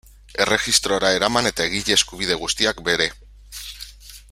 Erregistrora eraman eta egile eskubide guztiak bere.